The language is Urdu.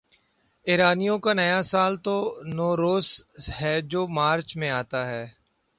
ایرانیوں کا نیا سال تو نوروز ہے جو مارچ میں آتا ہے۔